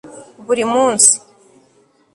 buri munsi